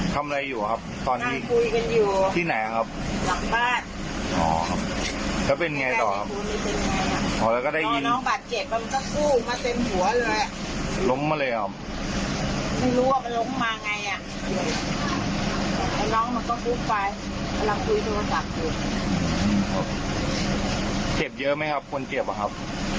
เจ็บเยอะไหมครับคนเจ็บหรือครับ